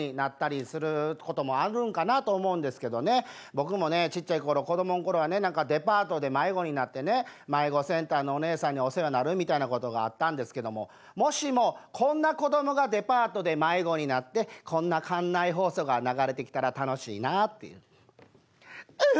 僕もねちっちゃい頃子どもん頃はね何かデパートで迷子になってね迷子センターのおねえさんにお世話になるみたいなことがあったんですけどももしもこんな子どもがデパートで迷子になってこんな館内放送が流れてきたら楽しいなっていう。